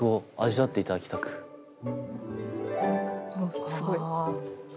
わっすごい。